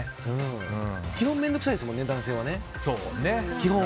基本面倒くさいですもんね、男性は。